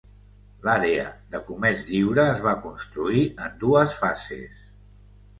L'àrea de comerç lliure es va construir en dues fases.